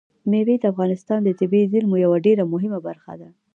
مېوې د افغانستان د طبیعي زیرمو یوه ډېره مهمه برخه ده.